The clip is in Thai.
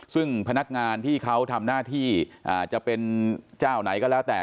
ซึ่งพนักงานที่เขาทำหน้าที่จะเป็นเจ้าไหนก็แล้วแต่